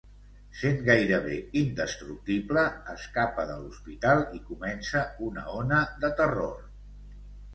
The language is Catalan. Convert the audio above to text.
Sent gairebé indestructible, escapa de l'hospital i comença una ona de terror.